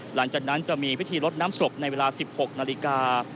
หลังจากนั้นจะมีพิธีลดน้ำศพในเวลา๑๖นาฬิกา